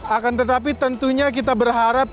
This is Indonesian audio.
akan tetapi tentunya kita berharap